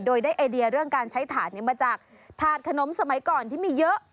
โดยได้ไอเดียเรื่องการใช้ถาดนี้มาจากถาดขนมสมัยก่อนที่มีเยอะ